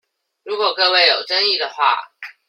如果各位有爭議的話